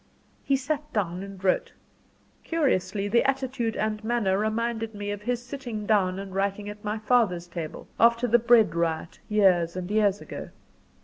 He sat down and wrote: curiously the attitude and manner reminded me of his sitting down and writing at my father's table, after the bread riot years and years ago.